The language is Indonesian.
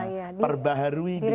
iya iya di refreshkan ya